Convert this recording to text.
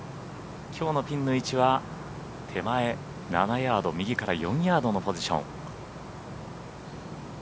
きょうのピンの位置は手前７ヤード右から４ヤードのポジション。